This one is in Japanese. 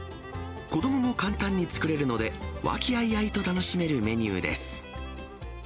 子どもも簡単に作れるので、和気あいあいと楽しめるメニューです。